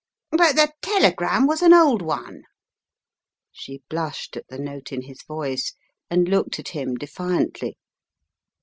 "But the telegram was an old one." She blushed at the note in his voice, and looked at him defiantly.